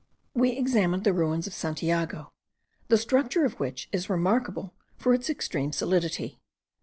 We examined the ruins of Santiago,* the structure of which is remarkable for its extreme solidity.